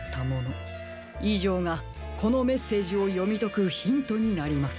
いじょうがこのメッセージをよみとくヒントになります。